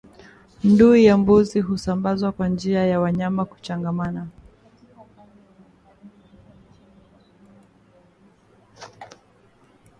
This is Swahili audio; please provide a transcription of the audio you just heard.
Ndui ya mbuzi husambazwa kwa njia ya wanyama kuchangamana